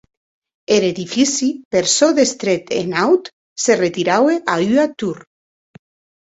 Er edifici, per çò d’estret e naut, se retiraue a ua tor.